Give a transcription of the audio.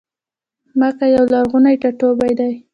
مکه یو لرغونی ټا ټوبی دی.